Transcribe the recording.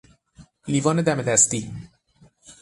لیوان دم دستی